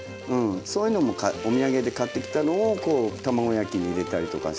そういうのもお土産で買ってきたのを卵焼きに入れたりとかしてましたね。